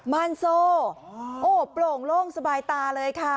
มานโซโอ้โหโปร่งโล่งสบายตาเลยค่ะ